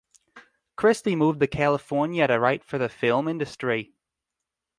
Christie moved to California to write for the film industry.